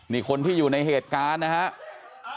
นี่คนที่อยู่ในเหตุการณ์นะครับ